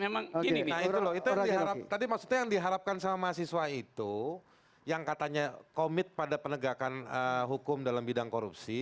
memang yang diharapkan sama siswa itu yang katanya komit pada penegakan hukum dalam bidang korupsi